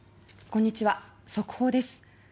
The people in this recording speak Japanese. こんにちは、速報です。